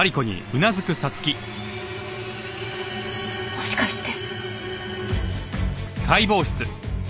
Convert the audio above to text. もしかして！